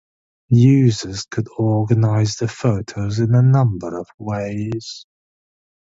Users could organize their photos in a number of ways.